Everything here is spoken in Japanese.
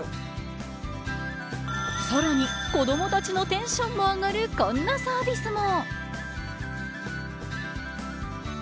さらに子どもたちのテンションも上がるこんなサービスも。